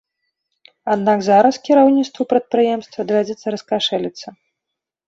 Аднак зараз кіраўніцтву прадпрыемства давядзецца раскашэліцца.